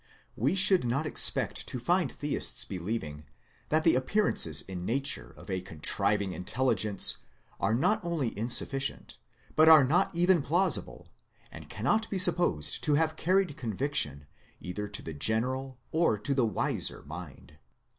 We should not expect to find Theists believing that the appearances in Nature of a contriving Intelligence are not only insufficient but are not even plausible, and cannot be supposed to have carried conviction either to the general or to the wiser mind.